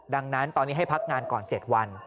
ดังนั้นตอนนี้ให้พักงานก่อน๗วัน